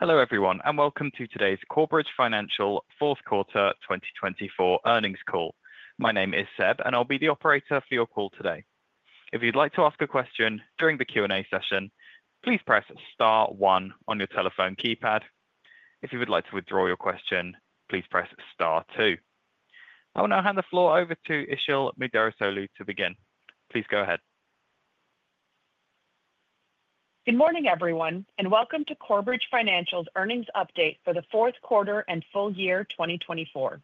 Hello everyone, and welcome to today's Corebridge Financial Fourth Quarter 2024 earnings call. My name is Seb, and I'll be the operator for your call today. If you'd like to ask a question during the Q&A session, please press star one on your telephone keypad. If you would like to withdraw your question, please press star two. I will now hand the floor over to Işıl Müderrisoğlu to begin. Please go ahead. Good morning everyone, and welcome to Corebridge Financial's earnings update for the fourth quarter and full year 2024.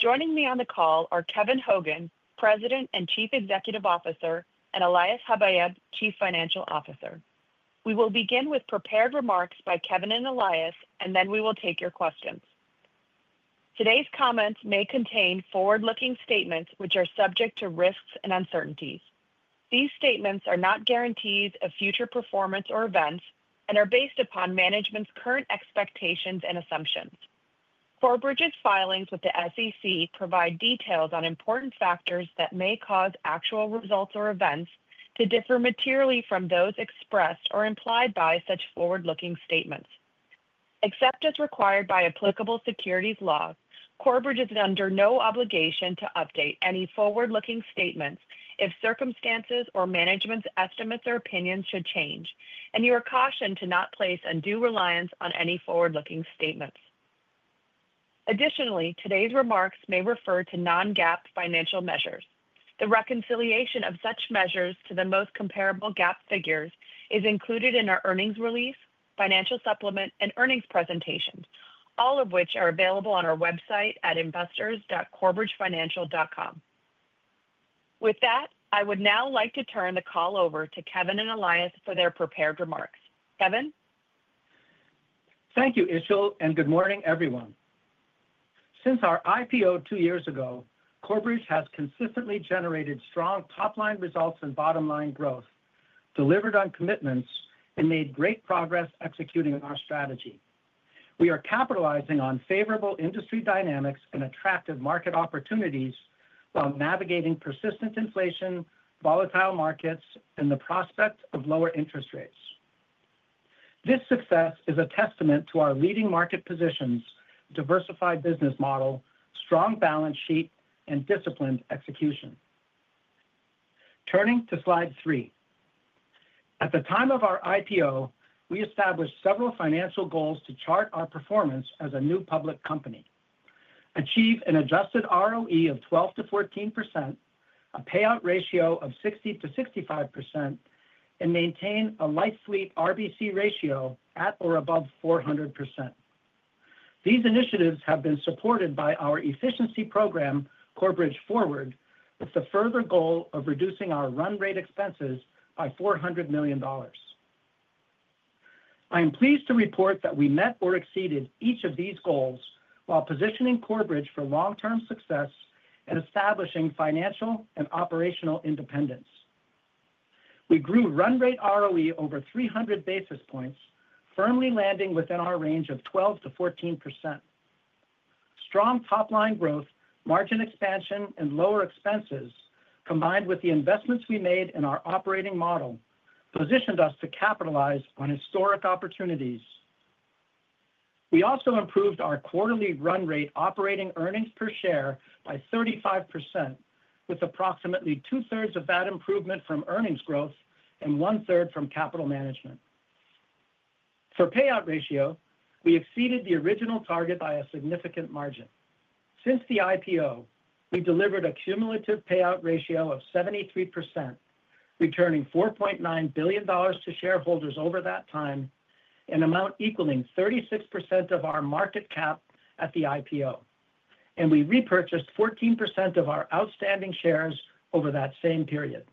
Joining me on the call are Kevin Hogan, President and Chief Executive Officer, and Elias Habayeb, Chief Financial Officer. We will begin with prepared remarks by Kevin and Elias, and then we will take your questions. Today's comments may contain forward-looking statements, which are subject to risks and uncertainties. These statements are not guarantees of future performance or events and are based upon management's current expectations and assumptions. Corebridge's filings with the SEC provide details on important factors that may cause actual results or events to differ materially from those expressed or implied by such forward-looking statements. Except as required by applicable securities law, Corebridge is under no obligation to update any forward-looking statements if circumstances or management's estimates or opinions should change, and you are cautioned to not place undue reliance on any forward-looking statements. Additionally, today's remarks may refer to non-GAAP financial measures. The reconciliation of such measures to the most comparable GAAP figures is included in our earnings release, financial supplement, and earnings presentations, all of which are available on our website at investors.corebridgefinancial.com. With that, I would now like to turn the call over to Kevin and Elias for their prepared remarks. Kevin? Thank you, Işıl, and good morning everyone. Since our IPO two years ago, Corebridge has consistently generated strong top-line results and bottom-line growth, delivered on commitments, and made great progress executing our strategy. We are capitalizing on favorable industry dynamics and attractive market opportunities while navigating persistent inflation, volatile markets, and the prospect of lower interest rates. This success is a testament to our leading market positions, diversified business model, strong balance sheet, and disciplined execution. Turning to slide three, at the time of our IPO, we established several financial goals to chart our performance as a new public company, achieve an Adjusted ROE of 12%-14%, a payout ratio of 60%-65%, and maintain a Life Fleet RBC ratio at or above 400%. These initiatives have been supported by our efficiency program, Corebridge Forward, with the further goal of reducing our run rate expenses by $400 million. I am pleased to report that we met or exceeded each of these goals while positioning Corebridge for long-term success and establishing financial and operational independence. We grew run rate ROE over 300 basis points, firmly landing within our range of 12%-14%. Strong top-line growth, margin expansion, and lower expenses, combined with the investments we made in our operating model, positioned us to capitalize on historic opportunities. We also improved our quarterly run rate operating earnings per share by 35%, with approximately two-thirds of that improvement from earnings growth and one-third from capital management. For payout ratio, we exceeded the original target by a significant margin. Since the IPO, we delivered a cumulative payout ratio of 73%, returning $4.9 billion to shareholders over that time, an amount equaling 36% of our market cap at the IPO, and we repurchased 14% of our outstanding shares over that same period.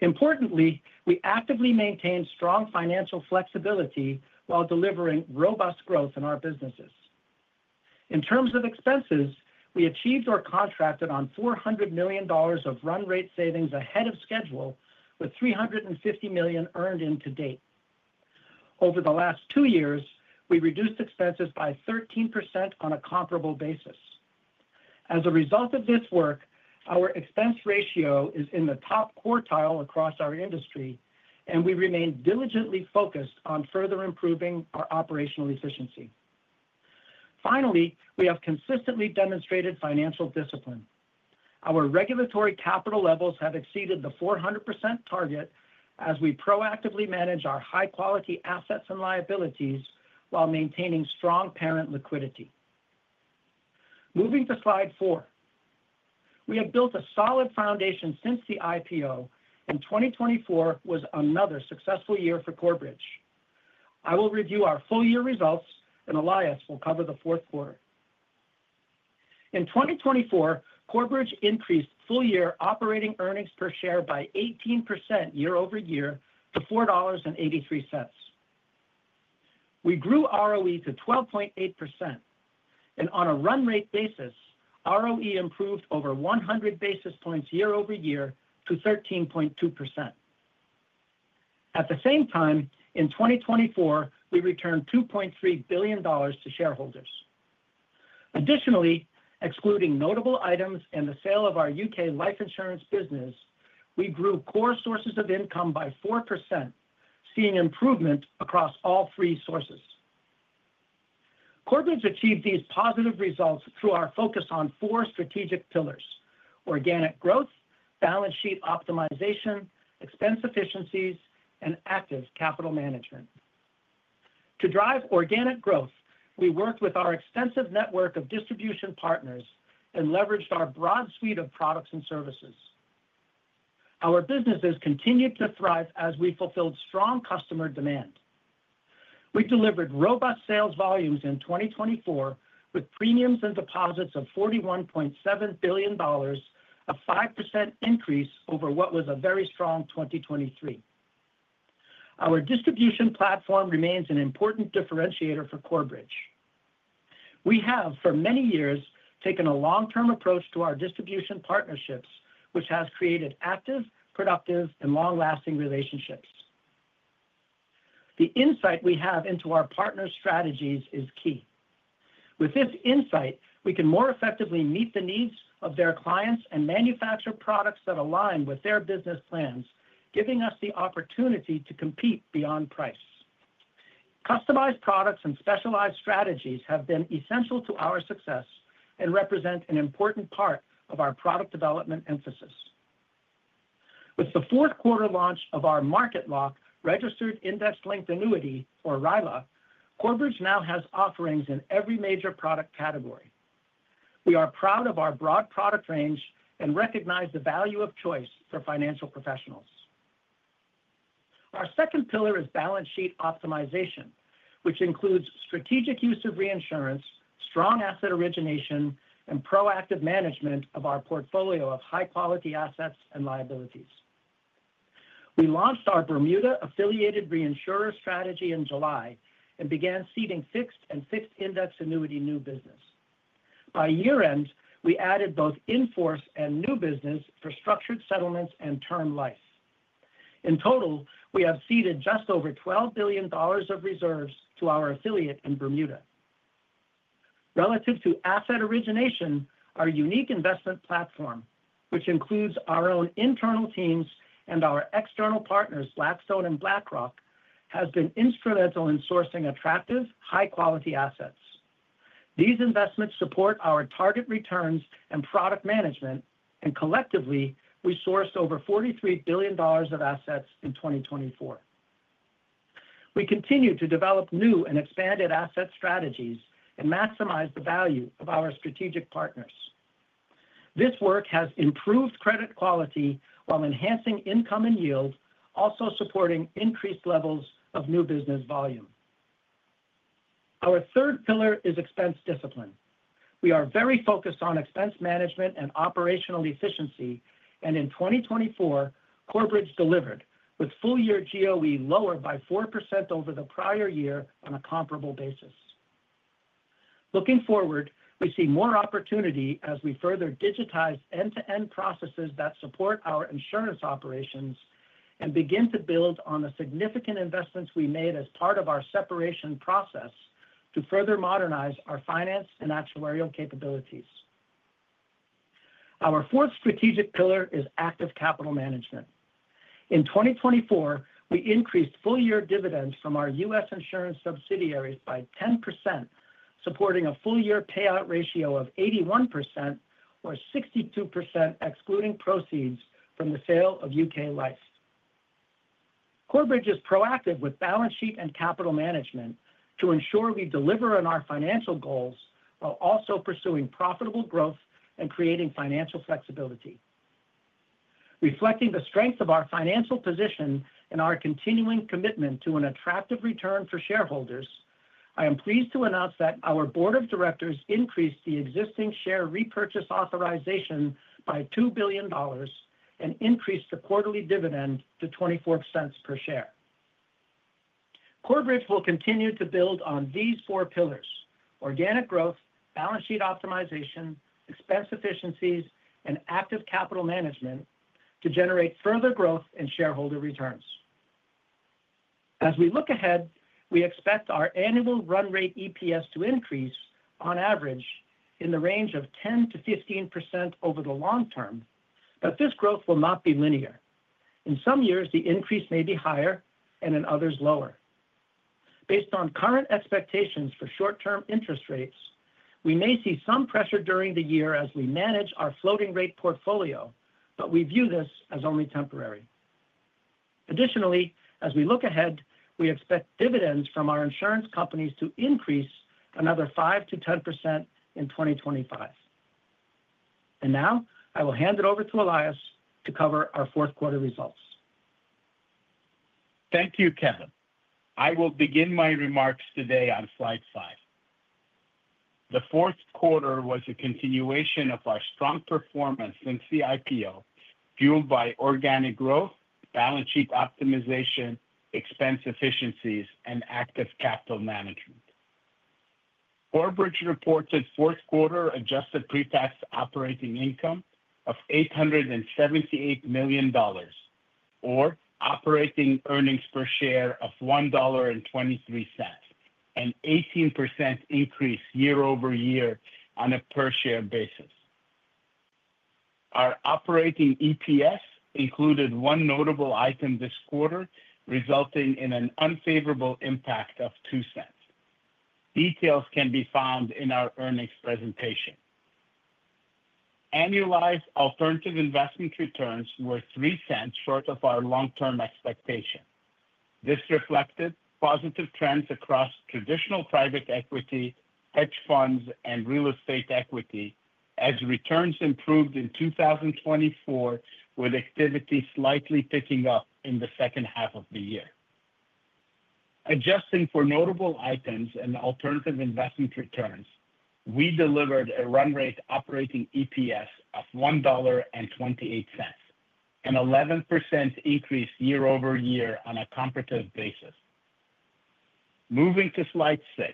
Importantly, we actively maintained strong financial flexibility while delivering robust growth in our businesses. In terms of expenses, we achieved or contracted on $400 million of run rate savings ahead of schedule, with $350 million earned to date. Over the last two years, we reduced expenses by 13% on a comparable basis. As a result of this work, our expense ratio is in the top quartile across our industry, and we remain diligently focused on further improving our operational efficiency. Finally, we have consistently demonstrated financial discipline. Our regulatory capital levels have exceeded the 400% target as we proactively manage our high-quality assets and liabilities while maintaining strong parent liquidity. Moving to slide four, we have built a solid foundation since the IPO, and 2024 was another successful year for Corebridge. I will review our full year results, and Elias will cover the fourth quarter. In 2024, Corebridge increased full year operating earnings per share by 18% year-over-year to $4.83. We grew ROE to 12.8%, and on a run rate basis, ROE improved over 100 basis points year-over-year to 13.2%. At the same time, in 2024, we returned $2.3 billion to shareholders. Additionally, excluding notable items and the sale of our U.K. Life Insurance business, we grew core sources of income by 4%, seeing improvement across all three sources. Corebridge achieved these positive results through our focus on four strategic pillars: organic growth, balance sheet optimization, expense efficiencies, and active capital management. To drive organic growth, we worked with our extensive network of distribution partners and leveraged our broad suite of products and services. Our businesses continued to thrive as we fulfilled strong customer demand. We delivered robust sales volumes in 2024, with premiums and deposits of $41.7 billion, a 5% increase over what was a very strong 2023. Our distribution platform remains an important differentiator for Corebridge. We have, for many years, taken a long-term approach to our distribution partnerships, which has created active, productive, and long-lasting relationships. The insight we have into our partners' strategies is key. With this insight, we can more effectively meet the needs of their clients and manufacture products that align with their business plans, giving us the opportunity to compete beyond price. Customized products and specialized strategies have been essential to our success and represent an important part of our product development emphasis. With the fourth quarter launch of our MarketLock registered index-linked annuity, or RILA, Corebridge now has offerings in every major product category. We are proud of our broad product range and recognize the value of choice for financial professionals. Our second pillar is balance sheet optimization, which includes strategic use of reinsurance, strong asset origination, and proactive management of our portfolio of high-quality assets and liabilities. We launched our Bermuda Affiliated Reinsurer strategy in July and began seeding fixed and fixed index annuity new business. By year-end, we added both in force and new business for structured settlements and term life. In total, we have seeded just over $12 billion of reserves to our affiliate in Bermuda. Relative to asset origination, our unique investment platform, which includes our own internal teams and our external partners, Blackstone and BlackRock, has been instrumental in sourcing attractive, high-quality assets. These investments support our target returns and product management, and collectively, we sourced over $43 billion of assets in 2024. We continue to develop new and expanded asset strategies and maximize the value of our strategic partners. This work has improved credit quality while enhancing income and yield, also supporting increased levels of new business volume. Our third pillar is expense discipline. We are very focused on expense management and operational efficiency, and in 2024, Corebridge delivered with full year GOE lower by 4% over the prior year on a comparable basis. Looking forward, we see more opportunity as we further digitize end-to-end processes that support our insurance operations and begin to build on the significant investments we made as part of our separation process to further modernize our finance and actuarial capabilities. Our fourth strategic pillar is active capital management. In 2024, we increased full year dividends from our U.S. insurance subsidiaries by 10%, supporting a full year payout ratio of 81%, or 62% excluding proceeds from the sale of U.K. Life. Corebridge is proactive with balance sheet and capital management to ensure we deliver on our financial goals while also pursuing profitable growth and creating financial flexibility. Reflecting the strength of our financial position and our continuing commitment to an attractive return for shareholders, I am pleased to announce that our board of directors increased the existing share repurchase authorization by $2 billion and increased the quarterly dividend to $0.24 per share. Corebridge will continue to build on these four pillars: organic growth, balance sheet optimization, expense efficiencies, and active capital management to generate further growth in shareholder returns. As we look ahead, we expect our annual run rate EPS to increase on average in the range of 10%-15% over the long term, but this growth will not be linear. In some years, the increase may be higher and in others, lower. Based on current expectations for short-term interest rates, we may see some pressure during the year as we manage our floating rate portfolio, but we view this as only temporary. Additionally, as we look ahead, we expect dividends from our insurance companies to increase another 5%-10% in 2025. And now, I will hand it over to Elias to cover our fourth quarter results. Thank you, Kevin. I will begin my remarks today on slide five. The fourth quarter was a continuation of our strong performance since the IPO, fueled by organic growth, balance sheet optimization, expense efficiencies, and active capital management. Corebridge reports its fourth quarter adjusted pre-tax operating income of $878 million, or operating earnings per share of $1.23, an 18% increase year-over-year on a per share basis. Our operating EPS included one notable item this quarter, resulting in an unfavorable impact of $0.02. Details can be found in our earnings presentation. Annualized alternative investment returns were $0.03 short of our long-term expectation. This reflected positive trends across traditional private equity, hedge funds, and real estate equity as returns improved in 2024, with activity slightly picking up in the second half of the year. Adjusting for notable items and alternative investment returns, we delivered a run rate operating EPS of $1.28, an 11% increase year-over-year on a comparative basis. Moving to slide six,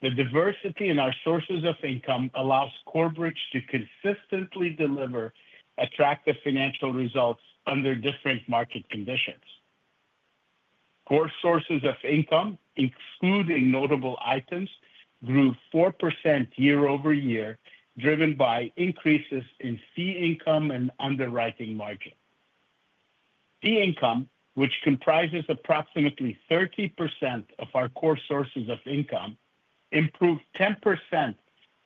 the diversity in our sources of income allows Corebridge to consistently deliver attractive financial results under different market conditions. Core sources of income, excluding notable items, grew 4% year-over-year, driven by increases in fee income and underwriting margin. Fee income, which comprises approximately 30% of our core sources of income, improved 10%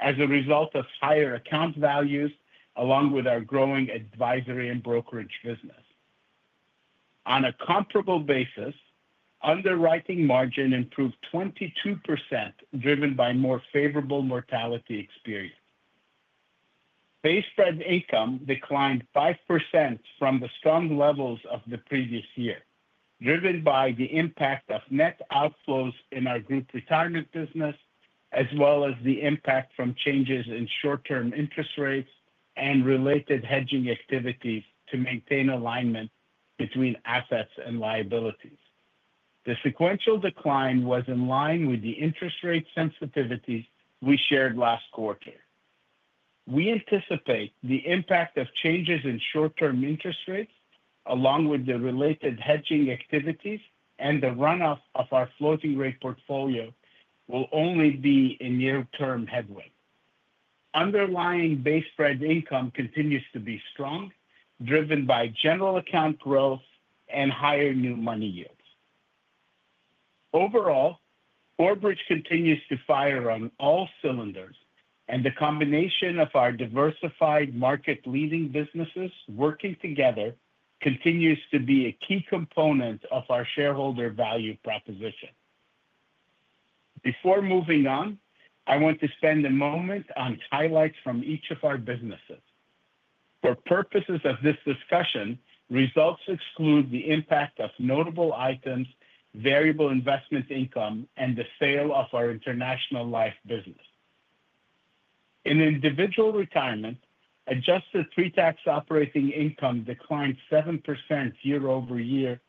as a result of higher account values, along with our growing advisory and brokerage business. On a comparable basis, underwriting margin improved 22%, driven by more favorable mortality experience. Base spread income declined 5% from the strong levels of the previous year, driven by the impact of net outflows in our Group Retirement business, as well as the impact from changes in short-term interest rates and related hedging activities to maintain alignment between assets and liabilities. The sequential decline was in line with the interest rate sensitivity we shared last quarter. We anticipate the impact of changes in short-term interest rates, along with the related hedging activities and the runoff of our floating rate portfolio, will only be in near-term headwinds. Underlying base spread income continues to be strong, driven by general account growth and higher new money yields. Overall, Corebridge continues to fire on all cylinders, and the combination of our diversified market-leading businesses working together continues to be a key component of our shareholder value proposition. Before moving on, I want to spend a moment on highlights from each of our businesses. For purposes of this discussion, results exclude the impact of notable items, Variable Investment Income, and the sale of our International Life business. In Individual Retirement, Adjusted Pre-tax Operating Income declined 7% year-over-year,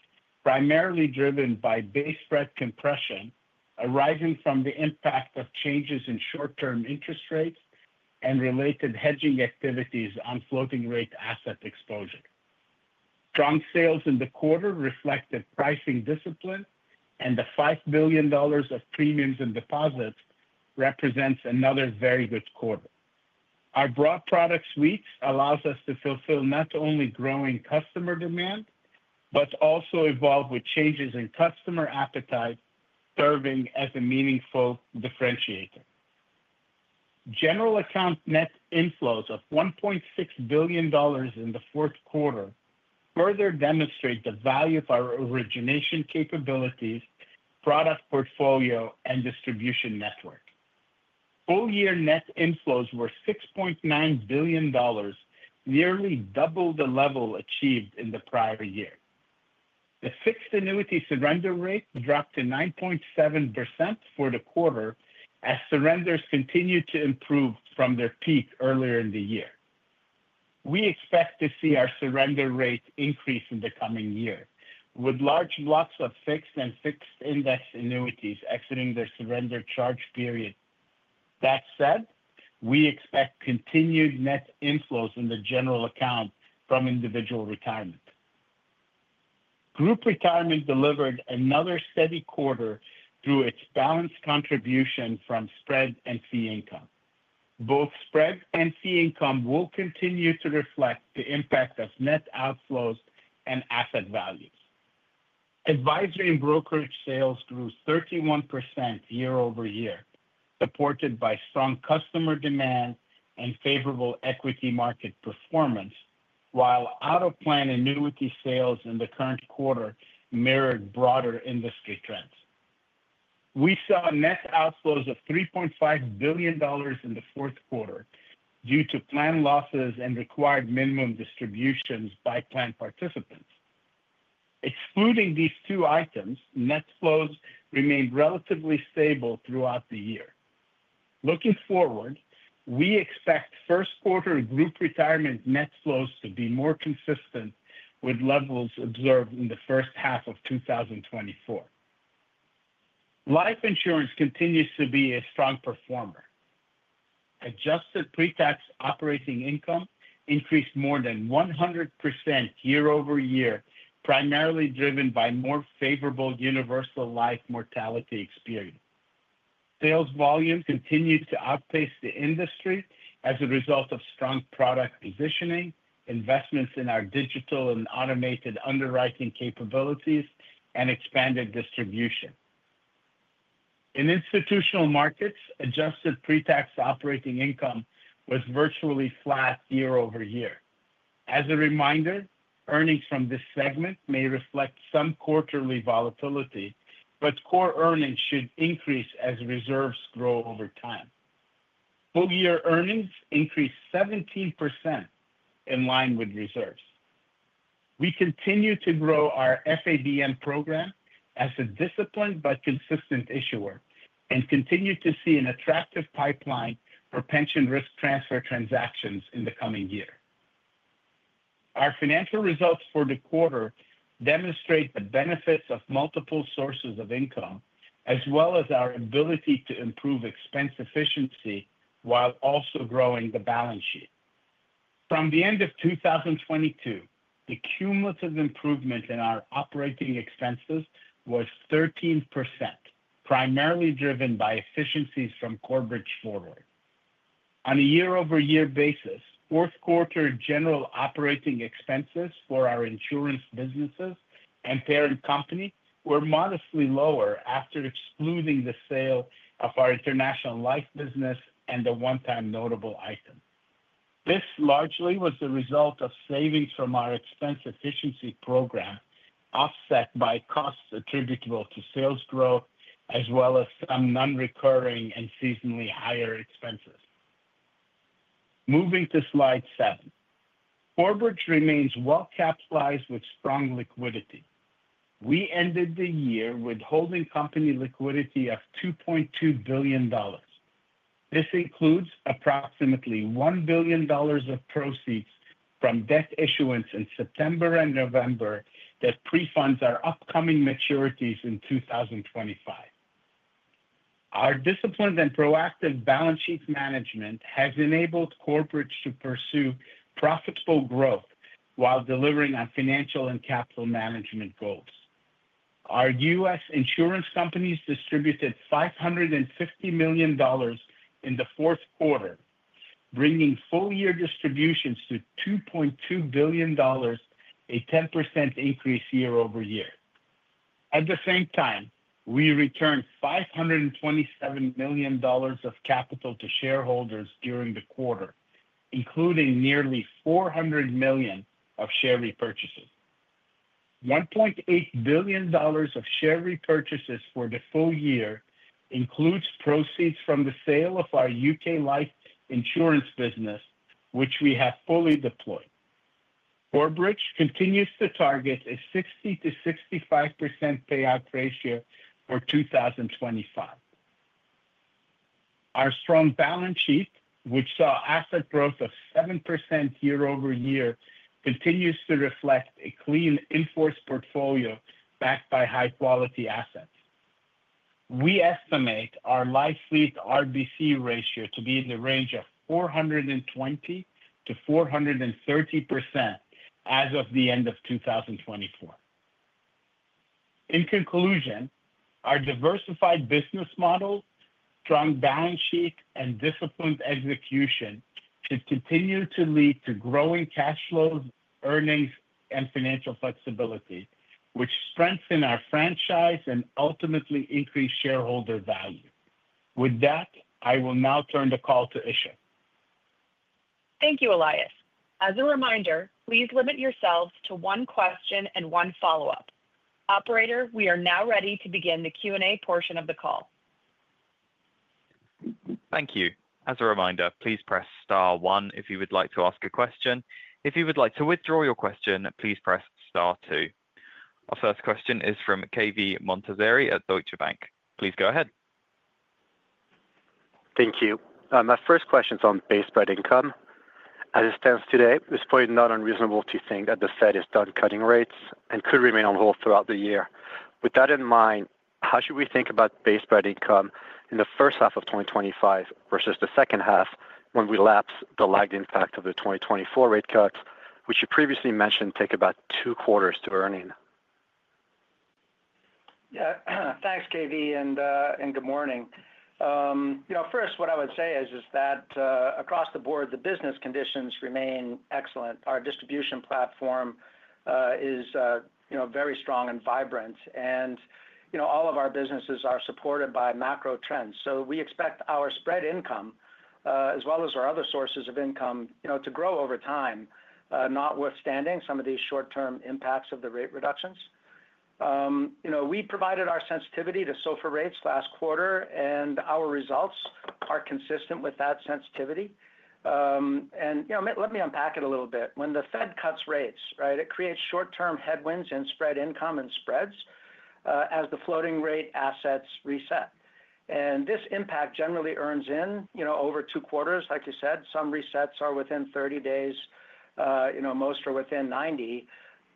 primarily driven by base spread compression arising from the impact of changes in short-term interest rates and related hedging activities on floating rate asset exposure. Strong sales in the quarter reflected pricing discipline, and the $5 billion of premiums and deposits represents another very good quarter. Our broad product suite allows us to fulfill not only growing customer demand, but also evolve with changes in customer appetite, serving as a meaningful differentiator. General account net inflows of $1.6 billion in the fourth quarter further demonstrate the value of our origination capabilities, product portfolio, and distribution network. Full year net inflows were $6.9 billion, nearly double the level achieved in the prior year. The fixed annuity surrender rate dropped to 9.7% for the quarter as surrenders continued to improve from their peak earlier in the year. We expect to see our surrender rate increase in the coming year, with large blocks of fixed and fixed index annuities exiting their surrender charge period. That said, we expect continued net inflows in the general account from individual retirement. Group retirement delivered another steady quarter through its balance contribution from spread and fee income. Both spread and fee income will continue to reflect the impact of net outflows and asset values. Advisory and brokerage sales grew 31% year-over-year, supported by strong customer demand and favorable equity market performance, while out-of-plan annuity sales in the current quarter mirrored broader industry trends. We saw net outflows of $3.5 billion in the fourth quarter due to plan losses and required minimum distributions by plan participants. Excluding these two items, net flows remained relatively stable throughout the year. Looking forward, we expect first quarter Group Retirement net flows to be more consistent with levels observed in the first half of 2024. Life Insurance continues to be a strong performer. Adjusted pre-tax operating income increased more than 100% year-over-year, primarily driven by more favorable universal life mortality experience. Sales volume continued to outpace the industry as a result of strong product positioning, investments in our digital and automated underwriting capabilities, and expanded distribution. In Institutional Markets, adjusted pre-tax operating income was virtually flat year-over-year. As a reminder, earnings from this segment may reflect some quarterly volatility, but core earnings should increase as reserves grow over time. Full-year earnings increased 17% in line with reserves. We continue to grow our FABN program as a disciplined but consistent issuer and continue to see an attractive pipeline for pension risk transfer transactions in the coming year. Our financial results for the quarter demonstrate the benefits of multiple sources of income, as well as our ability to improve expense efficiency while also growing the balance sheet. From the end of 2022, the cumulative improvement in our operating expenses was 13%, primarily driven by efficiencies from Corebridge Forward. On a year-over-year basis, fourth quarter general operating expenses for our insurance businesses and parent company were modestly lower after excluding the sale of our International Life business and the one-time notable item. This largely was the result of savings from our expense efficiency program, offset by costs attributable to sales growth, as well as some non-recurring and seasonally higher expenses. Moving to slide seven, Corebridge remains well-capitalized with strong liquidity. We ended the year with holding company liquidity of $2.2 billion. This includes approximately $1 billion of proceeds from debt issuance in September and November that prefunds our upcoming maturities in 2025. Our disciplined and proactive balance sheet management has enabled Corebridge to pursue profitable growth while delivering on financial and capital management goals. Our U.S. insurance companies distributed $550 million in the fourth quarter, bringing full year distributions to $2.2 billion, a 10% increase year-over-year. At the same time, we returned $527 million of capital to shareholders during the quarter, including nearly $400 million of share repurchases. $1.8 billion of share repurchases for the full year includes proceeds from the sale of our U.K. Life Insurance business, which we have fully deployed. Corebridge continues to target a 60%-65% payout ratio for 2025. Our strong balance sheet, which saw asset growth of 7% year-over-year, continues to reflect a clean enforced portfolio backed by high-quality assets. We estimate our Life Fleet RBC ratio to be in the range of 420%-430% as of the end of 2024. In conclusion, our diversified business model, strong balance sheet, and disciplined execution should continue to lead to growing cash flows, earnings, and financial flexibility, which strengthen our franchise and ultimately increase shareholder value. With that, I will now turn the call to Işıl. Thank you, Elias. As a reminder, please limit yourselves to one question and one follow-up. Operator, we are now ready to begin the Q&A portion of the call. Thank you. As a reminder, please press star one if you would like to ask a question. If you would like to withdraw your question, please press star two. Our first question is from Cave Montazeri at Deutsche Bank. Please go ahead. Thank you. My first question is on base spread income. As it stands today, it's probably not unreasonable to think that the Fed is done cutting rates and could remain on hold throughout the year. With that in mind, how should we think about base spread income in the first half of 2025 versus the second half when we lap the lagged impact of the 2024 rate cuts, which you previously mentioned take about two quarters to earn in? Yeah, thanks, Cave, and good morning. You know, first, what I would say is that across the board, the business conditions remain excellent. Our distribution platform is very strong and vibrant, and all of our businesses are supported by macro trends. So we expect our spread income, as well as our other sources of income, to grow over time, notwithstanding some of these short-term impacts of the rate reductions. We provided our sensitivity to SOFR rates last quarter, and our results are consistent with that sensitivity. And let me unpack it a little bit. When the Fed cuts rates, it creates short-term headwinds in spread income and spreads as the floating rate assets reset. And this impact generally earns in over two quarters, like you said. Some resets are within 30 days. Most are within 90 days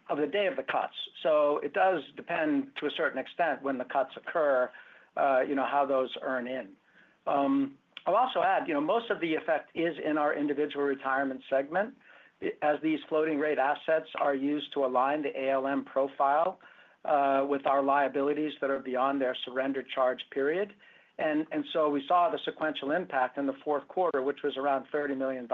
of the day of the cuts. So it does depend to a certain extent when the cuts occur how those earn in. I'll also add, most of the effect is in our individual retirement segment, as these floating rate assets are used to align the ALM profile with our liabilities that are beyond their surrender charge period. And so we saw the sequential impact in the fourth quarter, which was around $30 million.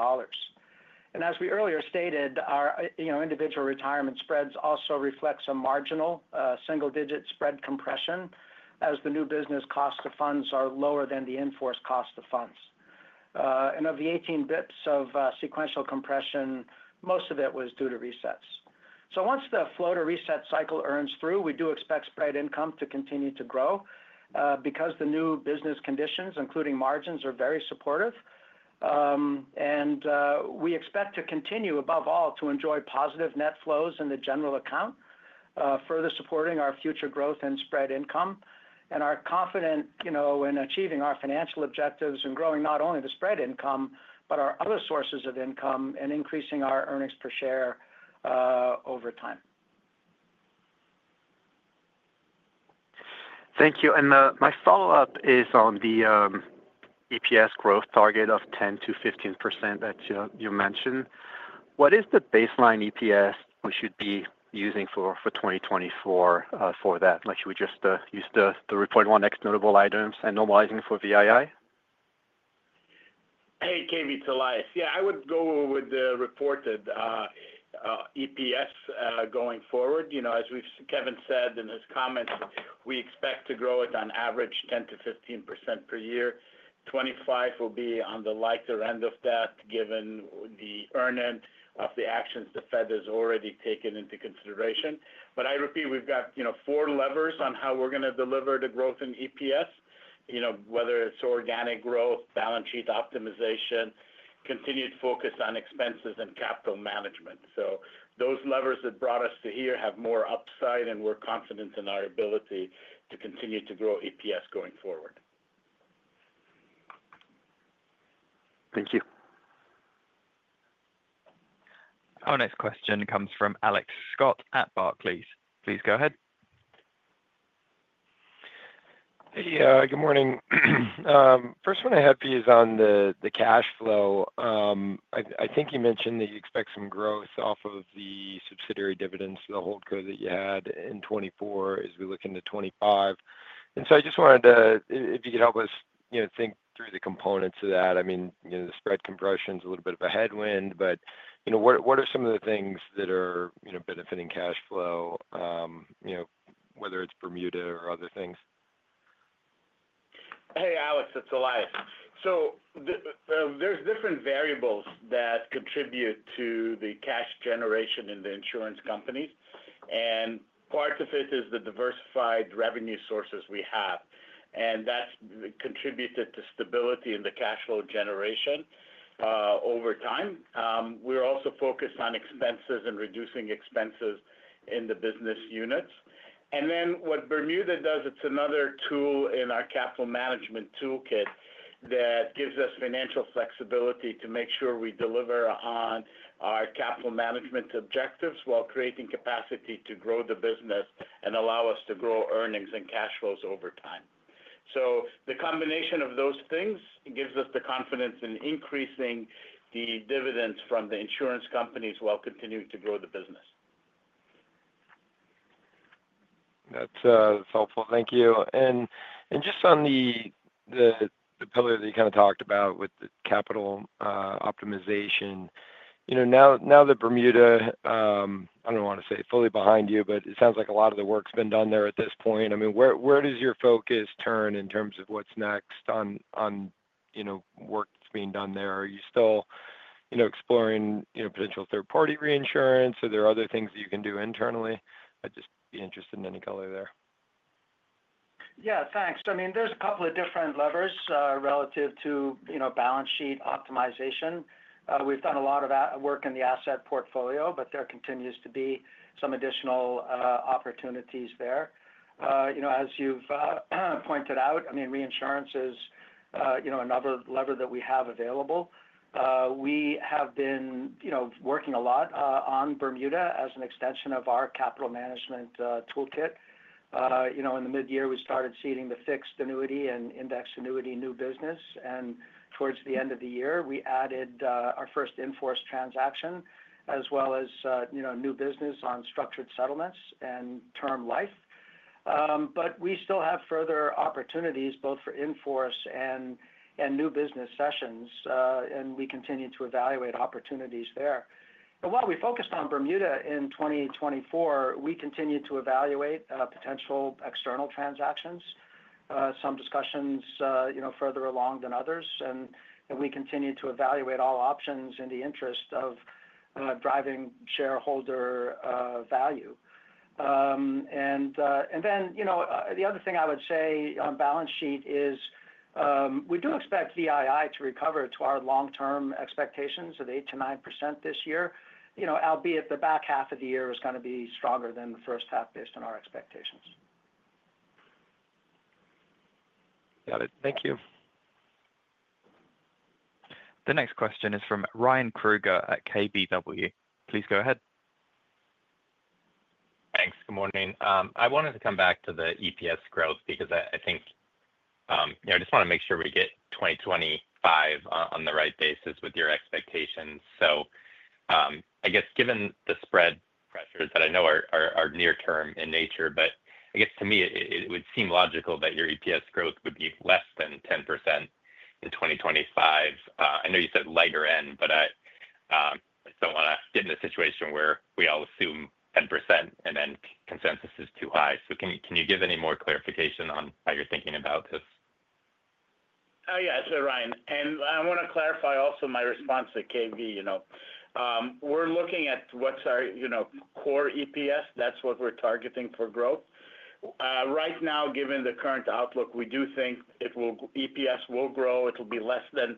And as we earlier stated, our individual retirement spreads also reflect some marginal single-digit spread compression, as the new business cost of funds are lower than the in-force cost of funds. And of the 18 basis points of sequential compression, most of it was due to resets. So once the floater reset cycle earns through, we do expect spread income to continue to grow because the new business conditions, including margins, are very supportive. We expect to continue, above all, to enjoy positive net flows in the general account, further supporting our future growth and spread income. Our confidence in achieving our financial objectives and growing not only the spread income, but our other sources of income and increasing our earnings per share over time. Thank you. And my follow-up is on the EPS growth target of 10%-15% that you mentioned. What is the baseline EPS we should be using for 2024 for that, like we just used the reporting on ex-notable items and normalizing for VII? Hey, Cave, to Elias. Yeah, I would go with the reported EPS going forward. As Kevin said in his comments, we expect to grow it on average 10%-15% per year. 25% will be on the lighter end of that, given the earning of the actions the Fed has already taken into consideration. But I repeat, we've got four levers on how we're going to deliver the growth in EPS, whether it's organic growth, balance sheet optimization, continued focus on expenses, and capital management. So those levers that brought us to here have more upside, and we're confident in our ability to continue to grow EPS going forward. Thank you. Our next question comes from Alex Scott at Barclays. Please go ahead. Hey, good morning. First one I have for you is on the cash flow. I think you mentioned that you expect some growth off of the subsidiary dividends to the Holdco that you had in 2024 as we look into 2025, and so I just wanted to, if you could help us think through the components of that. I mean, the spread compression is a little bit of a headwind, but what are some of the things that are benefiting cash flow, whether it's Bermuda or other things? Hey, Alex, it's Elias. So there's different variables that contribute to the cash generation in the insurance companies, and part of it is the diversified revenue sources we have, and that's contributed to stability in the cash flow generation over time. We're also focused on expenses and reducing expenses in the business units, and then what Bermuda does, it's another tool in our capital management toolkit that gives us financial flexibility to make sure we deliver on our capital management objectives while creating capacity to grow the business and allow us to grow earnings and cash flows over time. So the combination of those things gives us the confidence in increasing the dividends from the insurance companies while continuing to grow the business. That's helpful. Thank you. And just on the pillar that you kind of talked about with the capital optimization, now that Bermuda, I don't want to say fully behind you, but it sounds like a lot of the work's been done there at this point. I mean, where does your focus turn in terms of what's next on work that's being done there? Are you still exploring potential third-party reinsurance? Are there other things that you can do internally? I'd just be interested in any color there. Yeah, thanks. I mean, there's a couple of different levers relative to balance sheet optimization. We've done a lot of work in the asset portfolio, but there continues to be some additional opportunities there. As you've pointed out, I mean, reinsurance is another lever that we have available. We have been working a lot on Bermuda as an extension of our capital management toolkit. In the mid-year, we started seeding the fixed annuity and index annuity new business, and towards the end of the year, we added our first in-force transaction, as well as new business on structured settlements and term life, but we still have further opportunities, both for in-force and new business cessions, and we continue to evaluate opportunities there, and while we focused on Bermuda in 2024, we continue to evaluate potential external transactions, some discussions further along than others. And we continue to evaluate all options in the interest of driving shareholder value. And then the other thing I would say on balance sheet is we do expect VII to recover to our long-term expectations of 8%-9% this year, albeit the back half of the year is going to be stronger than the first half based on our expectations. Got it. Thank you. The next question is from Ryan Krueger at KBW. Please go ahead. Thanks. Good morning. I wanted to come back to the EPS growth because I think I just want to make sure we get 2025 on the right basis with your expectations. So I guess given the spread pressures that I know are near-term in nature, but I guess to me, it would seem logical that your EPS growth would be less than 10% in 2025. I know you said low end, but I don't want to get in a situation where we all assume 10% and then consensus is too high. So can you give any more clarification on how you're thinking about this? Yeah, so Ryan, and I want to clarify also my response to Cave We're looking at what's our core EPS. That's what we're targeting for growth. Right now, given the current outlook, we do think EPS will grow. It'll be less than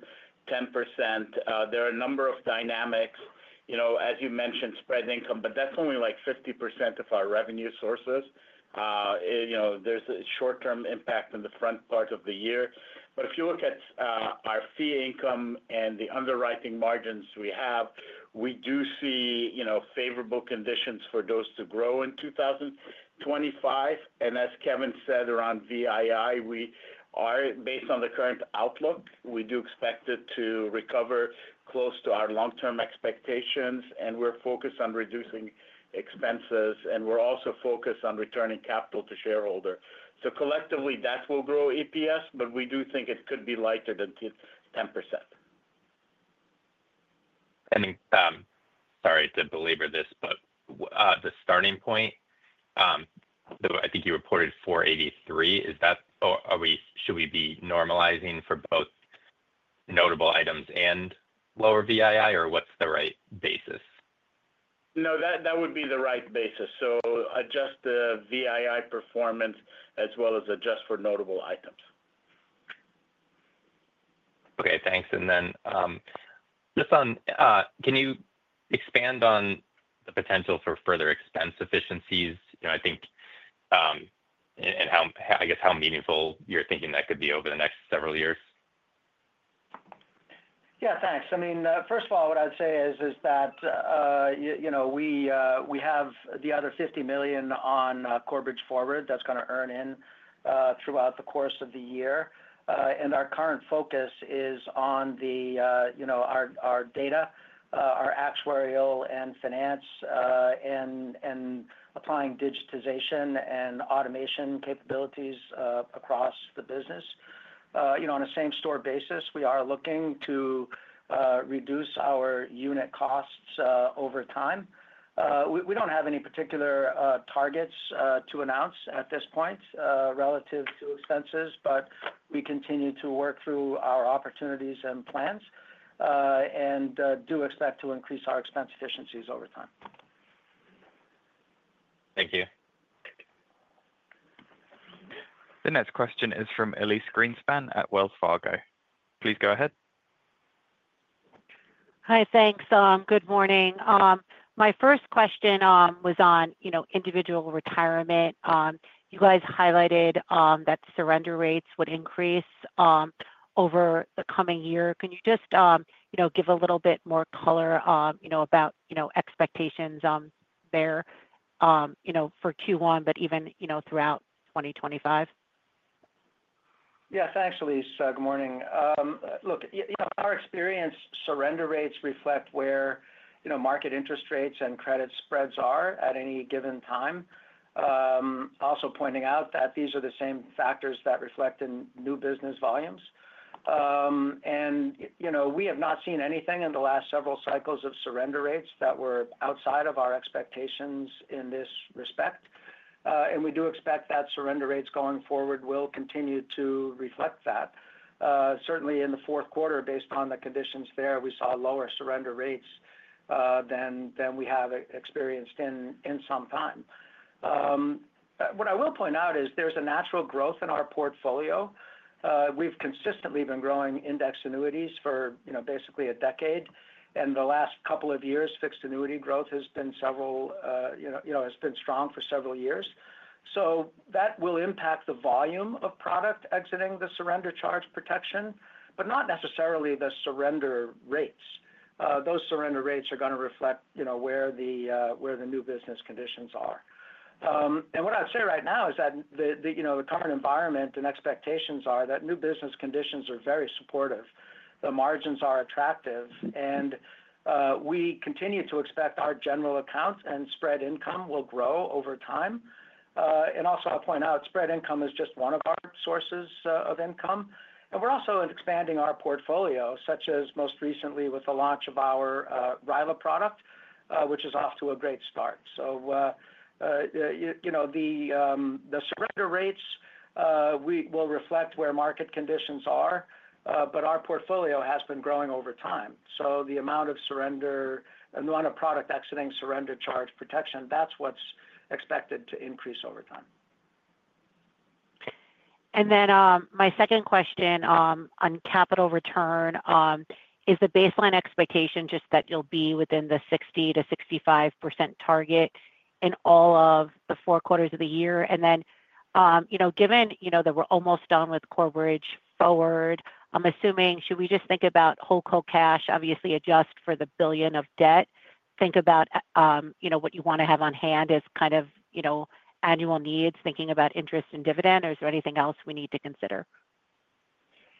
10%. There are a number of dynamics, as you mentioned, spread income, but that's only like 50% of our revenue sources. There's a short-term impact in the front part of the year. But if you look at our fee income and the underwriting margins we have, we do see favorable conditions for those to grow in 2025. And as Kevin said around VII, based on the current outlook, we do expect it to recover close to our long-term expectations. And we're focused on reducing expenses. And we're also focused on returning capital to shareholders. So collectively, that will grow EPS, but we do think it could be lighter than 10%. Sorry to belabor this, but the starting point, I think you reported 483. Should we be normalizing for both notable items and lower VII, or what's the right basis? No, that would be the right basis. So adjust the VII performance as well as adjust for notable items. Okay, thanks. And then just on, can you expand on the potential for further expense efficiencies, I think, and I guess how meaningful you're thinking that could be over the next several years? Yeah, thanks. I mean, first of all, what I'd say is that we have the other $50 million on Corebridge Forward that's going to earn in throughout the course of the year and our current focus is on our data, our actuarial and finance, and applying digitization and automation capabilities across the business. On a same-store basis, we are looking to reduce our unit costs over time. We don't have any particular targets to announce at this point relative to expenses, but we continue to work through our opportunities and plans and do expect to increase our expense efficiencies over time. Thank you. The next question is from Elyse Greenspan at Wells Fargo. Please go ahead. Hi, thanks. Good morning. My first question was on individual retirement. You guys highlighted that surrender rates would increase over the coming year. Can you just give a little bit more color about expectations there for Q1, but even throughout 2025? Yes, thanks, Elise. Good morning. Look, in our experience, surrender rates reflect where market interest rates and credit spreads are at any given time. Also pointing out that these are the same factors that reflect in new business volumes. And we have not seen anything in the last several cycles of surrender rates that were outside of our expectations in this respect. And we do expect that surrender rates going forward will continue to reflect that. Certainly, in the fourth quarter, based on the conditions there, we saw lower surrender rates than we have experienced in some time. What I will point out is there's a natural growth in our portfolio. We've consistently been growing index annuities for basically a decade. And the last couple of years, fixed annuity growth has been strong for several years. So that will impact the volume of product exiting the surrender charge protection, but not necessarily the surrender rates. Those surrender rates are going to reflect where the new business conditions are. And what I'd say right now is that the current environment and expectations are that new business conditions are very supportive. The margins are attractive. And we continue to expect our general accounts and spread income will grow over time. And also I'll point out, spread income is just one of our sources of income. And we're also expanding our portfolio, such as most recently with the launch of our RILA product, which is off to a great start. So the surrender rates will reflect where market conditions are, but our portfolio has been growing over time. So the amount of surrender and the amount of product exiting surrender charge protection, that's what's expected to increase over time. And then my second question on capital return is the baseline expectation just that you'll be within the 60%-65% target in all of the four quarters of the year. And then given that we're almost done with Corebridge Forward, I'm assuming, should we just think about holdco cash, obviously adjust for the $1 billion of debt, think about what you want to have on hand as kind of annual needs, thinking about interest and dividend, or is there anything else we need to consider?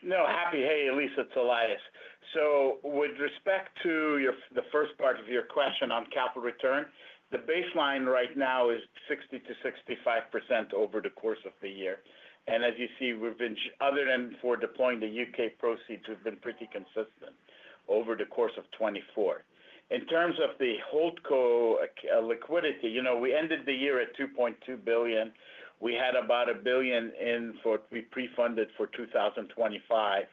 No, hi, Elyse, it's Elias. So with respect to the first part of your question on capital return, the baseline right now is 60%-65% over the course of the year. And as you see, other than for deploying the UK proceeds, we've been pretty consistent over the course of 2024. In terms of the Holdco liquidity, we ended the year at $2.2 billion. We had about a billion in for what we pre-funded for 2025.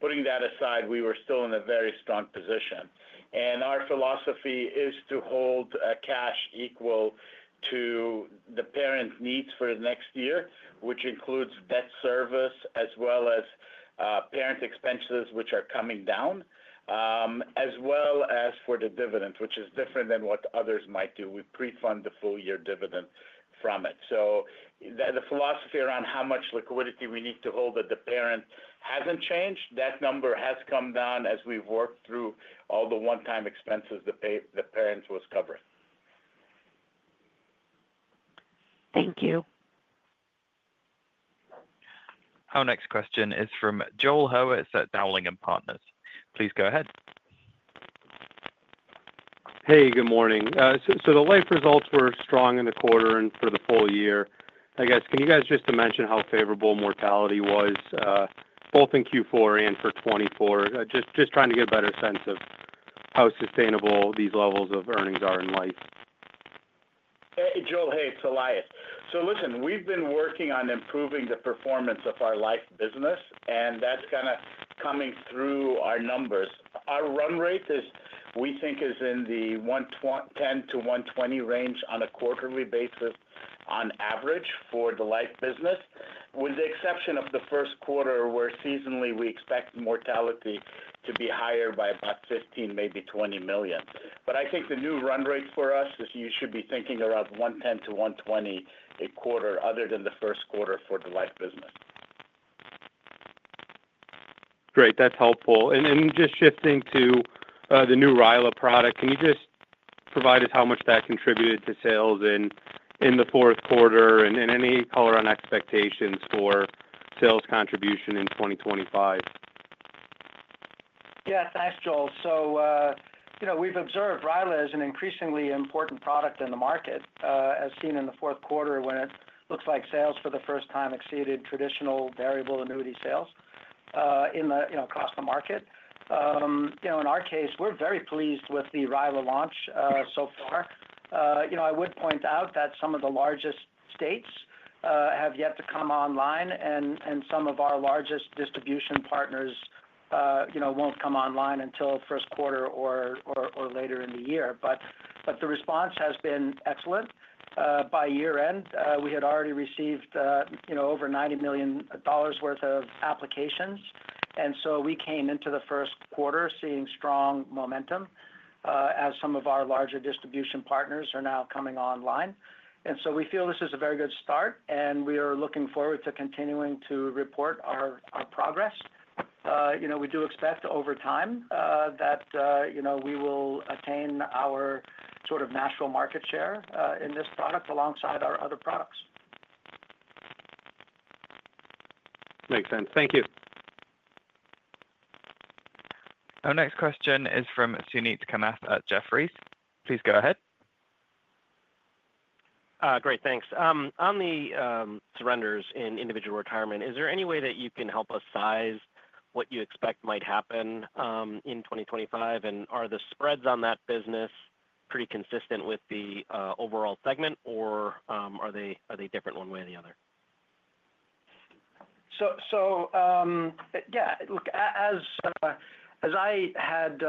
Putting that aside, we were still in a very strong position. And our philosophy is to hold cash equal to the parent needs for the next year, which includes debt service as well as parent expenses, which are coming down, as well as for the dividends, which is different than what others might do. We pre-fund the full year dividend from it. The philosophy around how much liquidity we need to hold at the parent hasn't changed. That number has come down as we've worked through all the one-time expenses the parent was covering. Thank you. Our next question is from Joel Hurwitz at Dowling & Partners. Please go ahead. Hey, good morning, so the life results were strong in the quarter and for the full year. I guess can you guys just mention how favorable mortality was both in Q4 and for 2024? Just trying to get a better sense of how sustainable these levels of earnings are in life. Hey, Joel, hey, it's Elias. So listen, we've been working on improving the performance of our life business, and that's kind of coming through our numbers. Our run rate is, we think, in the $110 million-$120 million range on a quarterly basis on average for the life business, with the exception of the first quarter where seasonally we expect mortality to be higher by about $15 million, maybe $20 million. But I think the new run rate for us is you should be thinking around $110 million-$120 million a quarter other than the first quarter for the life business. Great. That's helpful. And just shifting to the new RILA product, can you just provide us how much that contributed to sales in the fourth quarter and any color on expectations for sales contribution in 2025? Yeah, thanks, Joel. So we've observed RILA as an increasingly important product in the market, as seen in the fourth quarter when it looks like sales for the first time exceeded traditional variable annuity sales across the market. In our case, we're very pleased with the RILA launch so far. I would point out that some of the largest states have yet to come online, and some of our largest distribution partners won't come online until first quarter or later in the year. But the response has been excellent. By year-end, we had already received over $90 million worth of applications. And so we came into the first quarter seeing strong momentum as some of our larger distribution partners are now coming online. And so we feel this is a very good start, and we are looking forward to continuing to report our progress. We do expect over time that we will attain our sort of natural market share in this product alongside our other products. Makes sense. Thank you. Our next question is from Suneet Kamath at Jefferies. Please go ahead. Great, thanks. On the surrenders in individual retirement, is there any way that you can help us size what you expect might happen in 2025? And are the spreads on that business pretty consistent with the overall segment, or are they different one way or the other? So yeah, look, as I had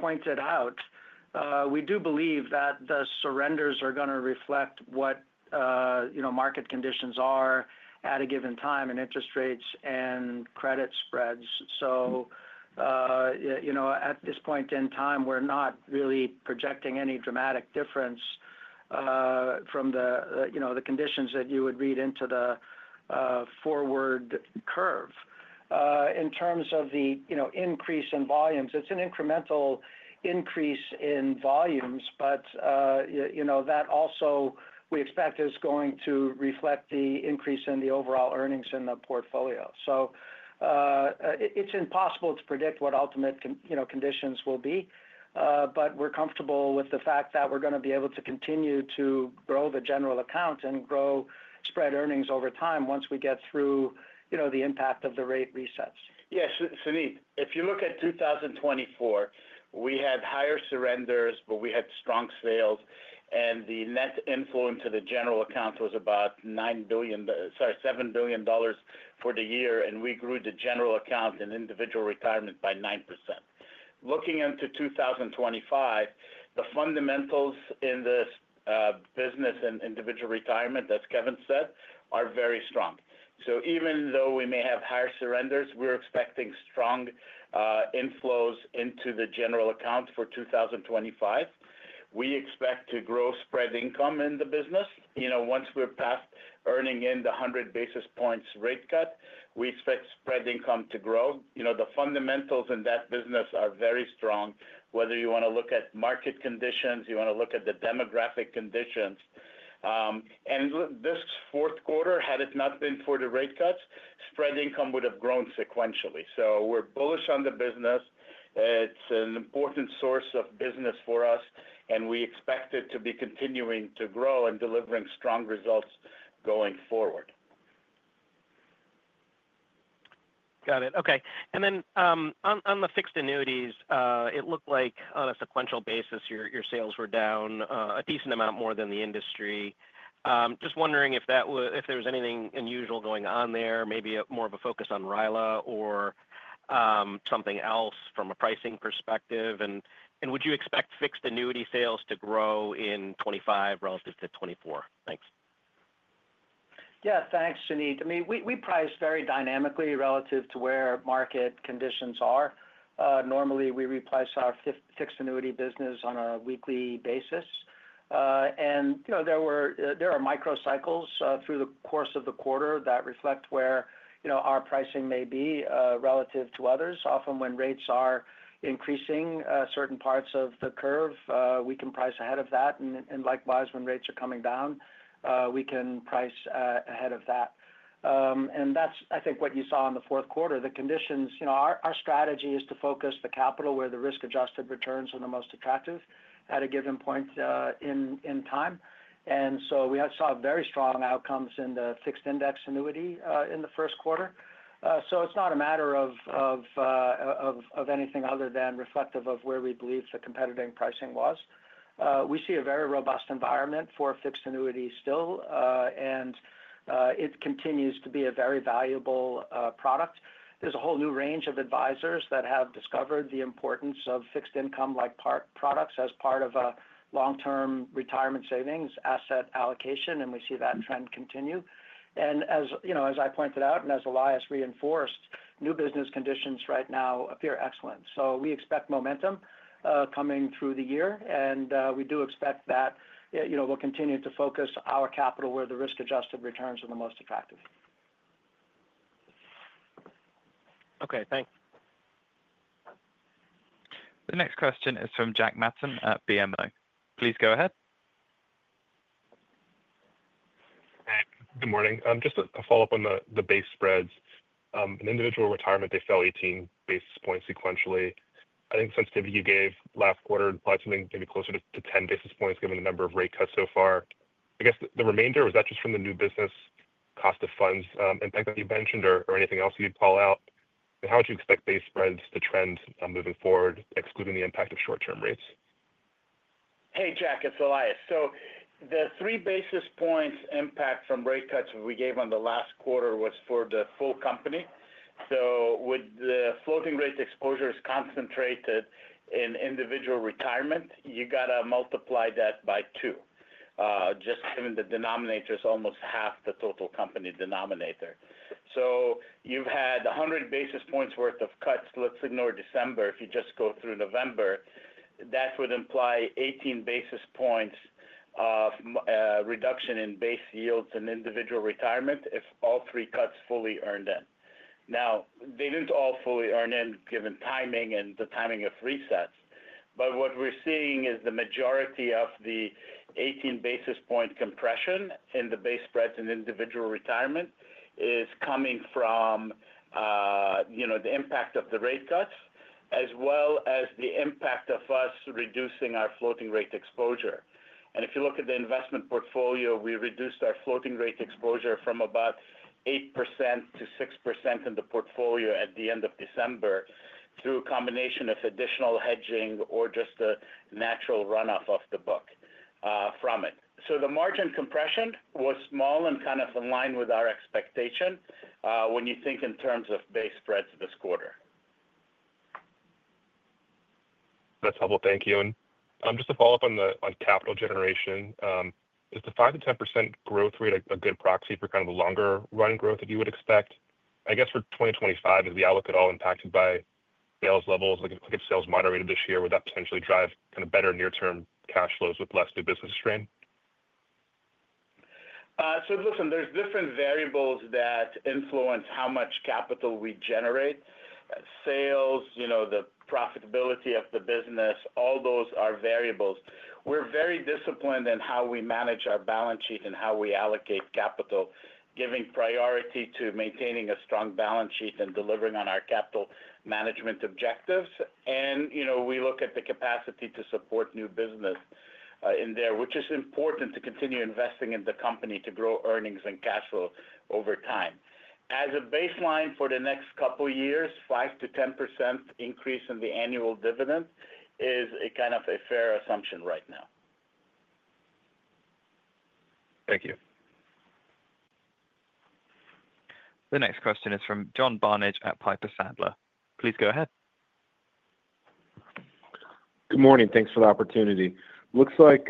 pointed out, we do believe that the surrenders are going to reflect what market conditions are at a given time in interest rates and credit spreads. So at this point in time, we're not really projecting any dramatic difference from the conditions that you would read into the forward curve. In terms of the increase in volumes, it's an incremental increase in volumes, but that also we expect is going to reflect the increase in the overall earnings in the portfolio. So it's impossible to predict what ultimate conditions will be, but we're comfortable with the fact that we're going to be able to continue to grow the general account and grow spread earnings over time once we get through the impact of the rate resets. Yeah. Suneet, if you look at 2024, we had higher surrenders, but we had strong sales. And the net inflow into the general account was about $9 billion. Sorry, $7 billion for the year. And we grew the general account and Individual Retirement by 9%. Looking into 2025, the fundamentals in this business and Individual Retirement, as Kevin said, are very strong. So even though we may have higher surrenders, we're expecting strong inflows into the general account for 2025. We expect to grow spread income in the business. Once we're past earning in the 100 basis points rate cut, we expect spread income to grow. The fundamentals in that business are very strong, whether you want to look at market conditions, you want to look at the demographic conditions. And this fourth quarter, had it not been for the rate cuts, spread income would have grown sequentially. So we're bullish on the business. It's an important source of business for us, and we expect it to be continuing to grow and delivering strong results going forward. Got it. Okay. And then on the fixed annuities, it looked like on a sequential basis, your sales were down a decent amount more than the industry. Just wondering if there was anything unusual going on there, maybe more of a focus on RILA or something else from a pricing perspective. And would you expect fixed annuity sales to grow in 2025 relative to 2024? Thanks. Yeah, thanks, Suneet. I mean, we price very dynamically relative to where market conditions are. Normally, we reprice our fixed annuity business on a weekly basis, and there are micro cycles through the course of the quarter that reflect where our pricing may be relative to others. Often when rates are increasing certain parts of the curve, we can price ahead of that, and likewise, when rates are coming down, we can price ahead of that, and that's, I think, what you saw in the fourth quarter. The conditions, our strategy is to focus the capital where the risk-adjusted returns are the most attractive at a given point in time, and so we saw very strong outcomes in the fixed index annuity in the first quarter, so it's not a matter of anything other than reflective of where we believe the competitive pricing was. We see a very robust environment for fixed annuity still, and it continues to be a very valuable product. There's a whole new range of advisors that have discovered the importance of fixed income-like products as part of a long-term retirement savings asset allocation, and we see that trend continue, and as I pointed out and as Elias reinforced, new business conditions right now appear excellent, so we expect momentum coming through the year, and we do expect that we'll continue to focus our capital where the risk-adjusted returns are the most attractive. Okay, thanks. The next question is from Jack Matten at BMO. Please go ahead. Good morning. Just a follow-up on the base spreads. In Individual Retirement, they fell 18 basis points sequentially. I think the sensitivity you gave last quarter implied something maybe closer to 10 basis points given the number of rate cuts so far. I guess the remainder, was that just from the new business cost of funds impact that you mentioned or anything else you'd call out? And how would you expect base spreads to trend moving forward, excluding the impact of short-term rates? Hey, Jack, it's Elias. So the three basis points impact from rate cuts we gave on the last quarter was for the full company. So with the floating rate exposures concentrated in Individual Retirement, you got to multiply that by two, just given the denominator is almost half the total company denominator. So you've had 100 basis points worth of cuts. Let's ignore December. If you just go through November, that would imply 18 basis points of reduction in base yields in Individual Retirement if all three cuts fully earned in. Now, they didn't all fully earn in given timing and the timing of resets. But what we're seeing is the majority of the 18 basis point compression in the base spreads in Individual Retirement is coming from the impact of the rate cuts, as well as the impact of us reducing our floating rate exposure. If you look at the investment portfolio, we reduced our floating rate exposure from about 8%-6% in the portfolio at the end of December through a combination of additional hedging or just a natural runoff of the book from it. The margin compression was small and kind of in line with our expectation when you think in terms of base spreads this quarter. That's helpful. Thank you. And just to follow up on capital generation, is the 5%-10% growth rate a good proxy for kind of the longer run growth that you would expect? I guess for 2025, as we all look at all impacted by sales levels, like if sales moderated this year, would that potentially drive kind of better near-term cash flows with less new business strain? So listen, there's different variables that influence how much capital we generate. Sales, the profitability of the business, all those are variables. We're very disciplined in how we manage our balance sheet and how we allocate capital, giving priority to maintaining a strong balance sheet and delivering on our capital management objectives. And we look at the capacity to support new business in there, which is important to continue investing in the company to grow earnings and cash flow over time. As a baseline for the next couple of years, 5%-10% increase in the annual dividend is kind of a fair assumption right now. Thank you. The next question is from John Barnidge at Piper Sandler. Please go ahead. Good morning. Thanks for the opportunity. Looks like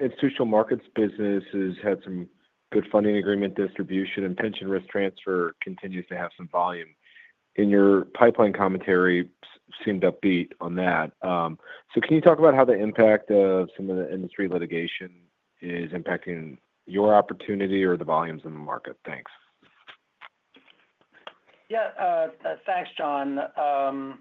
Institutional Markets businesses had some good funding agreement distribution, and pension risk transfer continues to have some volume. In your pipeline commentary, seemed upbeat on that. So can you talk about how the impact of some of the industry litigation is impacting your opportunity or the volumes in the market? Thanks. Yeah, thanks, John. I'm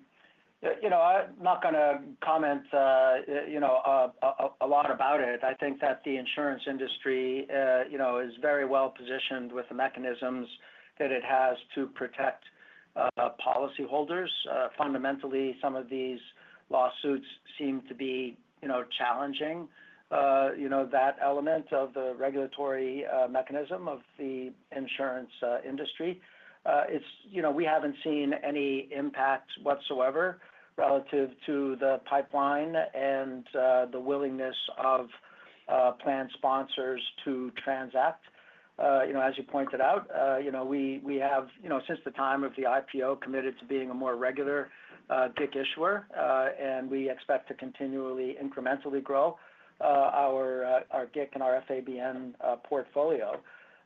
not going to comment a lot about it. I think that the insurance industry is very well positioned with the mechanisms that it has to protect policyholders. Fundamentally, some of these lawsuits seem to be challenging that element of the regulatory mechanism of the insurance industry. We haven't seen any impact whatsoever relative to the pipeline and the willingness of plan sponsors to transact. As you pointed out, we have, since the time of the IPO, committed to being a more regular GIC issuer, and we expect to continually incrementally grow our GIC and our FABN portfolio,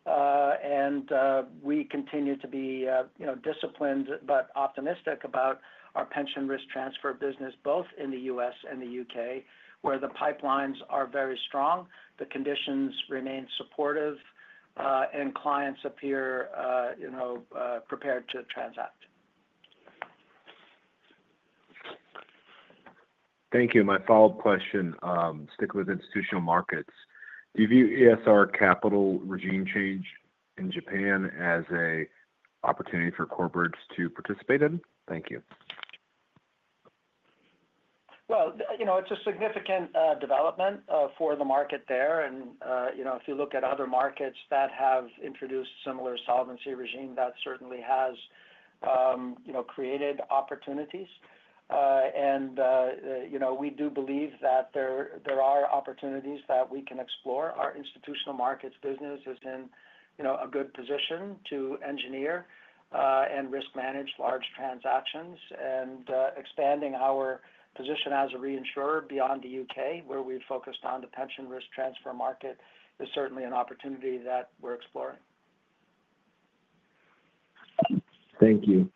and we continue to be disciplined but optimistic about our pension risk transfer business, both in the U.S. and the U.K., where the pipelines are very strong, the conditions remain supportive, and clients appear prepared to transact. Thank you. My follow-up question sticking with Institutional Markets. Do you view ESR capital regime change in Japan as an opportunity for corporates to participate in? Thank you. It's a significant development for the market there. If you look at other markets that have introduced similar solvency regime, that certainly has created opportunities. We do believe that there are opportunities that we can explore. Our Institutional Markets business is in a good position to engineer and risk manage large transactions. Expanding our position as a reinsurer beyond the UK, where we've focused on the pension risk transfer market, is certainly an opportunity that we're exploring. Thank you.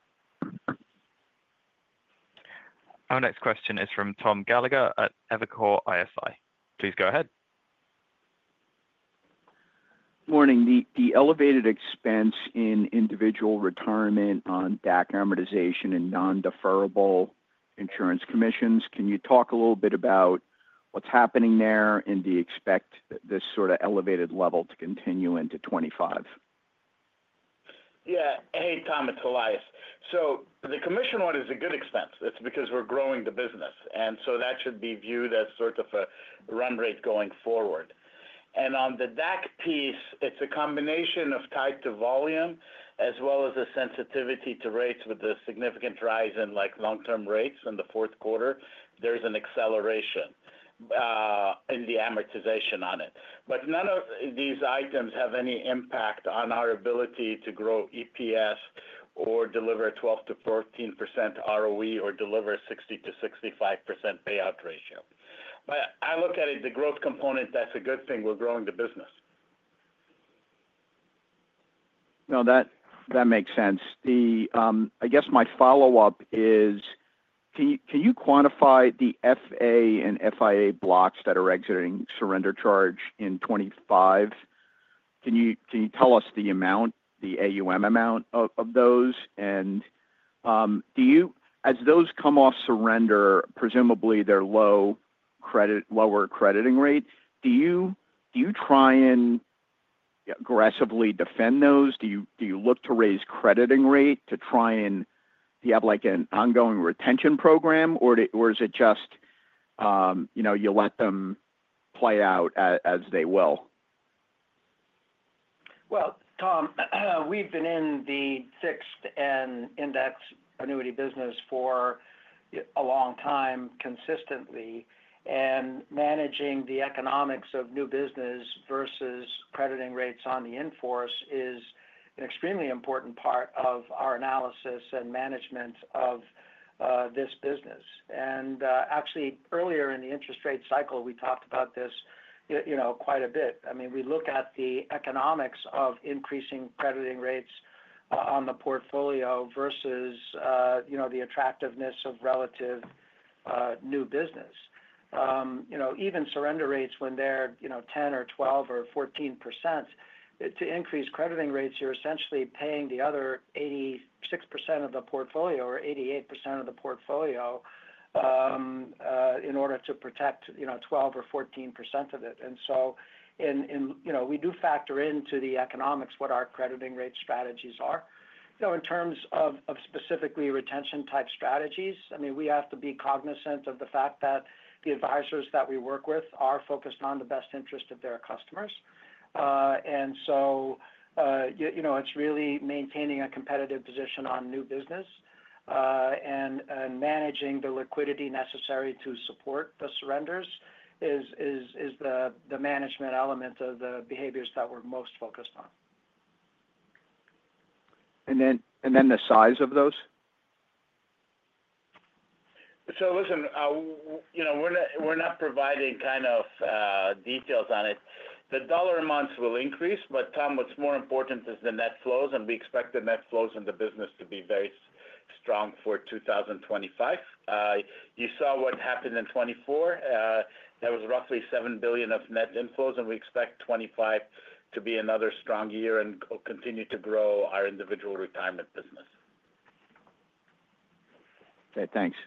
Our next question is from Tom Gallagher at Evercore ISI. Please go ahead. Good morning. The elevated expense in individual retirement on DAC amortization and non-deferrable insurance commissions, can you talk a little bit about what's happening there and do you expect this sort of elevated level to continue into 2025? Yeah. Hey, Tom, it's Elias. So the commission one is a good expense. It's because we're growing the business. And so that should be viewed as sort of a run rate going forward. And on the DAC piece, it's a combination of tied to volume as well as a sensitivity to rates with a significant rise in long-term rates. In the fourth quarter, there's an acceleration in the amortization on it. But none of these items have any impact on our ability to grow EPS or deliver 12%-14% ROE or deliver a 60%-65% payout ratio. But I look at it, the growth component, that's a good thing. We're growing the business. No, that makes sense. I guess my follow-up is, can you quantify the FA and FIA blocks that are exiting surrender charge in 2025? Can you tell us the amount, the AUM amount of those? And as those come off surrender, presumably they're lower crediting rate. Do you try and aggressively defend those? Do you look to raise crediting rate to try and have an ongoing retention program, or is it just you let them play out as they will? Tom, we've been in the fixed and indexed annuity business for a long time consistently. Managing the economics of new business versus crediting rates on the in force is an extremely important part of our analysis and management of this business. Actually, earlier in the interest rate cycle, we talked about this quite a bit. I mean, we look at the economics of increasing crediting rates on the portfolio versus the attractiveness of relatively new business. Even surrender rates when they're 10%, 12%, or 14%, to increase crediting rates, you're essentially paying the other 86% of the portfolio or 88% of the portfolio in order to protect 12% or 14% of it. So we do factor into the economics what our crediting rate strategies are. In terms of specifically retention type strategies, I mean, we have to be cognizant of the fact that the advisors that we work with are focused on the best interest of their customers. And so it's really maintaining a competitive position on new business and managing the liquidity necessary to support the surrenders is the management element of the behaviors that we're most focused on. And then the size of those? So listen, we're not providing kind of details on it. The dollar amounts will increase, but Tom, what's more important is the net flows, and we expect the net flows in the business to be very strong for 2025. You saw what happened in 2024. There was roughly $7 billion of net inflows, and we expect 2025 to be another strong year and continue to grow our individual retirement business. Okay, thanks.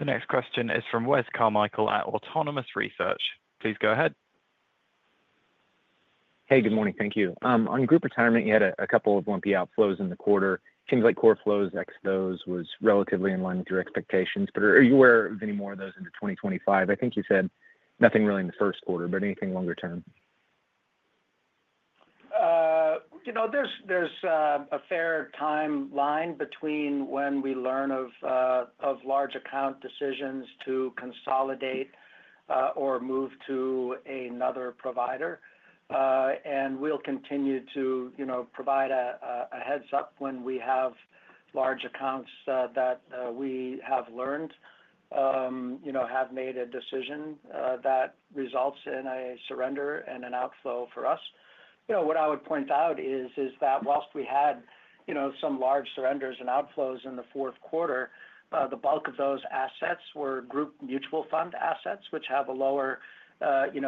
The next question is from Wes Carmichael at Autonomous Research. Please go ahead. Hey, good morning. Thank you. On Group Retirement, you had a couple of lumpy outflows in the quarter. It seems like core flows ex those was relatively in line with your expectations, but are you aware of any more of those into 2025? I think you said nothing really in the first quarter, but anything longer term? There's a fair timeline between when we learn of large account decisions to consolidate or move to another provider. And we'll continue to provide a heads-up when we have large accounts that we have learned, have made a decision that results in a surrender and an outflow for us. What I would point out is that while we had some large surrenders and outflows in the fourth quarter, the bulk of those assets were group mutual fund assets, which have a lower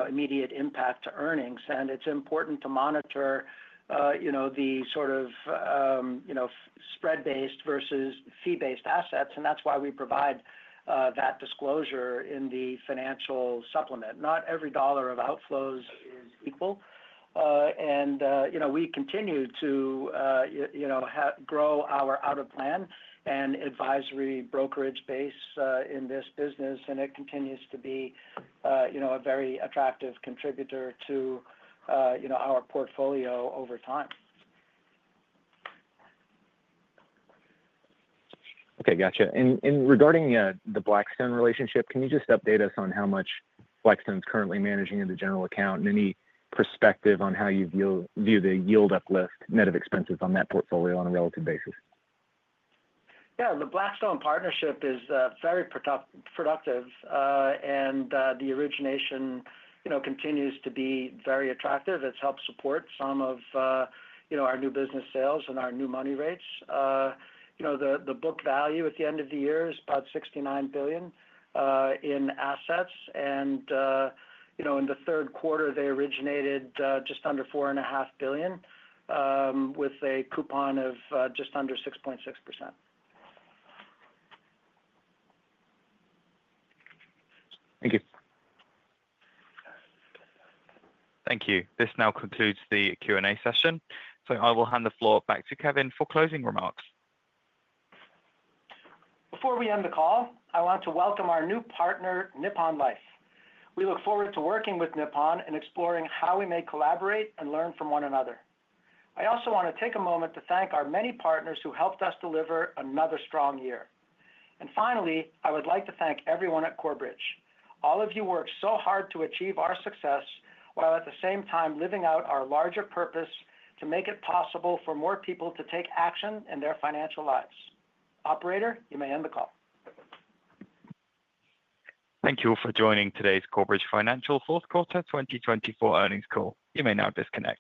immediate impact to earnings. And it's important to monitor the sort of spread-based versus fee-based assets. And that's why we provide that disclosure in the financial supplement. Not every dollar of outflows is equal. And we continue to grow our out-of-plan and advisory brokerage base in this business, and it continues to be a very attractive contributor to our portfolio over time. Okay, gotcha. And regarding the Blackstone relationship, can you just update us on how much Blackstone is currently managing in the general account and any perspective on how you view the yield uplift, net of expenses on that portfolio on a relative basis? Yeah, the Blackstone partnership is very productive, and the origination continues to be very attractive. It's helped support some of our new business sales and our new money rates. The book value at the end of the year is about $69 billion in assets. And in the third quarter, they originated just under $4.5 billion with a coupon of just under 6.6%. Thank you. Thank you. This now concludes the Q&A session. So I will hand the floor back to Kevin for closing remarks. Before we end the call, I want to welcome our new partner, Nippon Life. We look forward to working with Nippon and exploring how we may collaborate and learn from one another. I also want to take a moment to thank our many partners who helped us deliver another strong year, and finally, I would like to thank everyone at Corebridge. All of you worked so hard to achieve our success while at the same time living out our larger purpose to make it possible for more people to take action in their financial lives. Operator, you may end the call. Thank you for joining today's Corebridge Financial Fourth Quarter 2024 earnings call. You may now disconnect.